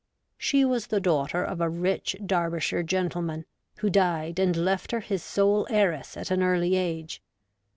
She was the daughter of a rich Derbyshire gentleman, who died and left her his sole heiress at an early age.